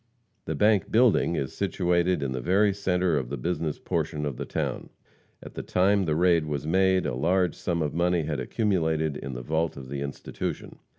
The bank building is situated in the very center of the business portion of the town. At the time the raid was made a large sum of money had accumulated in the vault of the institution.